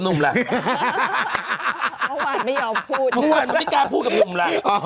หนุ่มล่ะเพราะว่าไม่เอาพูดเพราะว่ามันไม่กล้าพูดกับหนุ่มล่ะ